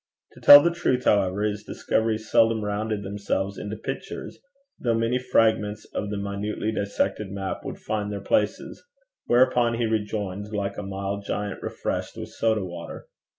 To tell the truth, however, his discoveries seldom rounded themselves into pictures, though many fragments of the minutely dissected map would find their places, whereupon he rejoiced like a mild giant refreshed with soda water.